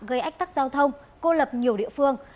gây ách tắc giao thông cô lập nhiều địa phương